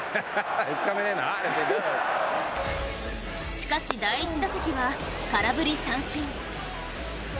しかし、第１打席は空振り三振。